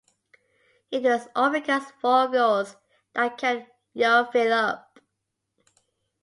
It was Obika's four goals that kept Yeovil up.